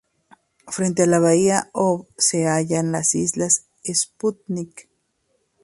Frente a la bahía Ob se hallan las islas Sputnik.